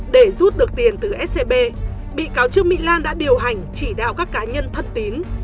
để rút được tiền từ scb bị cáo trương mỹ lan đã điều hành chỉ đạo các cá nhân thân tín